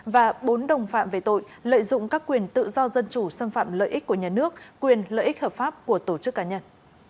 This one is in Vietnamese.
và bốn đồng phạm về tội lợi dụng các quyền tự do dân chủ xâm phạm lợi ích của nhà nước quyền lợi ích hợp pháp của tổ chức cá nhân